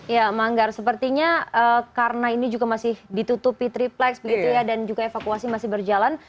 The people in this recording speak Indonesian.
ya manggar sepertinya karena ini juga masih ditutupi triplex begitu ya dan juga evakuasi masih berjalan